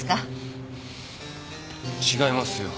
違いますよ。